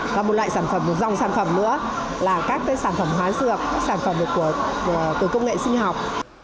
và một loại sản phẩm một dòng sản phẩm nữa là các sản phẩm hóa dược các sản phẩm từ công nghệ sinh học